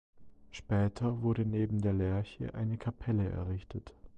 Später wurde neben der Lärche eine Kapelle errichtet.